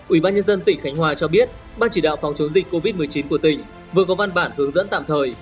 ủy ban nhân dân tỉnh khánh hòa cho biết ban chỉ đạo phòng chống dịch covid một mươi chín của tỉnh vừa có văn bản hướng dẫn tạm thời